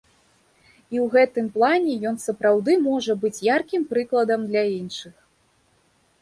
І ў гэтым плане ён сапраўды можа быць яркім прыкладам для іншых.